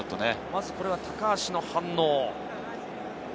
まずこれは高橋の反応。